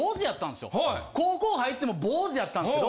高校入っても坊主やったんすけど。